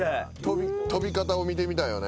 飛び方を見てみたいよね。